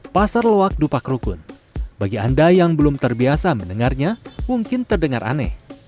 pasar lawak dupa krukun bagi anda yang belum terbiasa mendengarnya mungkin terdengar aneh